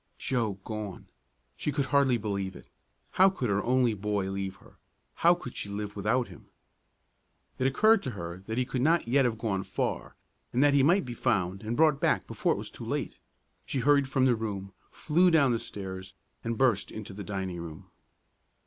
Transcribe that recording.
Joe gone? She could hardly believe it. How could her only boy leave her? How could she live without him? It occurred to her that he could not yet have gone far, and that he might be found and brought back before it was too late. She hurried from the room, flew down the stairs, and burst into the dining room.